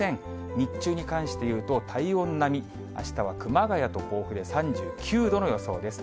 日中に関していうと体温並み、あしたは熊谷と甲府で３９度の予想です。